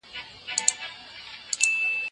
دليل يې په حديث کي ښوول شوی دی.